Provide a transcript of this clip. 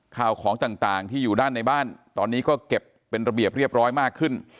ข่าวของต่างที่อยู่ด้านในบ้านตอนนี้ก็เก็บเป็นระเบียบเรียบร้อยมากขึ้น